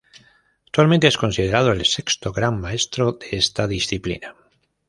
Actualmente es considerado el sexto gran maestro de esta disciplina.